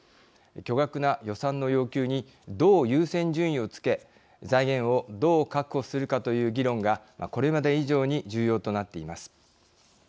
巨額な予算の要求にどう優先順位をつけ財源をどう確保するかという議論がこれまで以上に重要となっています。